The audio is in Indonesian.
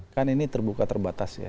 kan ini terbuka terbatas ya